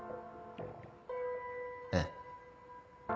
ええ。